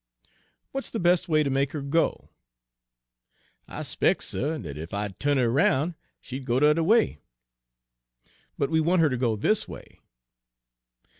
"What's the best way to make her go?" "I 'spec's, suh, dat ef I'd tu'n her 'roun', she'd go de udder way." "But we want her to go this way."